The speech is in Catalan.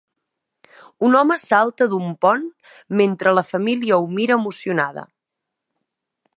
Un home salta d'un pont mentre la família ho mira emocionada